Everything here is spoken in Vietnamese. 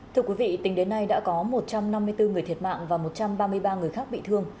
thưa quý vị tính đến nay đã có một trăm năm mươi bốn người thiệt mạng và một trăm ba mươi ba người khác bị thương